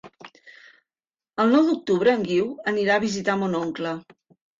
El nou d'octubre en Guiu anirà a visitar mon oncle.